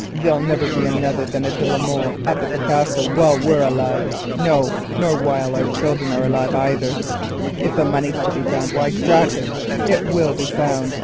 There'll never be no other than a de la Molle up at the Castle while we're alive, no, nor while our childer is alive either. If the money's to be found, why drat it, it will be found.